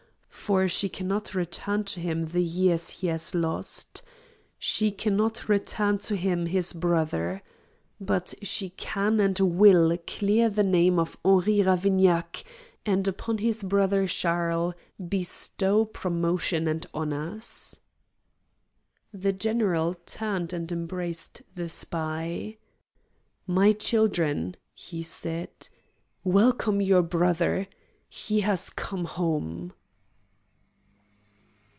For she cannot return to him the years he has lost. She cannot return to him his brother. But she can and will clear the name of Henri Ravignac, and upon his brother Charles bestow promotion and honors." The general turned and embraced the spy. "My children," he said, "welcome your brother. He has come home."